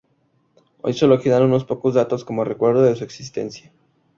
Hoy sólo quedan unos pocos datos como recuerdo de su existencia.